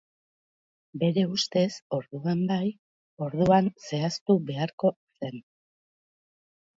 Bere ustez, orduan bai, orduan zehaztu beharko zen.